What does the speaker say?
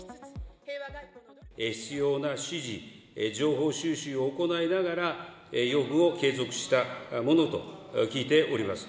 必要な指示、情報収集を行いながら、要務を継続したものと聞いております。